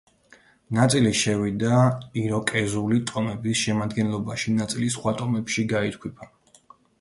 ნაწილი შევიდა იროკეზული ტომების შემადგენლობაში, ნაწილი სხვა ტომებში გაითქვიფა.